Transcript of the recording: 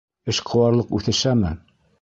— Эшҡыуарлыҡ үҫешәме?